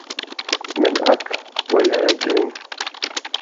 Men ack vad jag är dum!